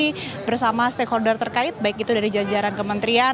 masih bersama stakeholder terkait baik itu dari jalan jalan kementerian